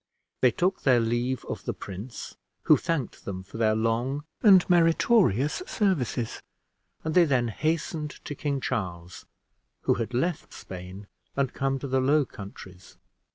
They took their leave of the prince, who thanked them for their long and meritorious services; and they then hastened to King Charles, who had left Spain and come to the Low Countries.